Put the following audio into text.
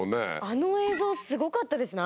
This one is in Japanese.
あの映像すごかったですね